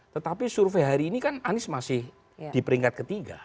tetapi survei hari ini kan anies masih di peringkat ketiga